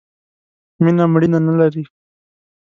مینه ، مړینه نه لري.